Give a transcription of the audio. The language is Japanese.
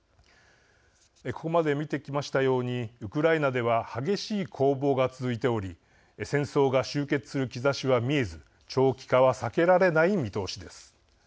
ここまで見てきましたようにウクライナでは激しい攻防が続いており戦争が終結する兆しは見えず長期化は避けられない見通しです。